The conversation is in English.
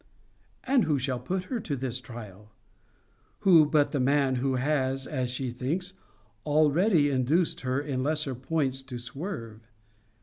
And who shall put her to this trial? Who, but the man who has, as she thinks, already induced her in lesser points to swerve?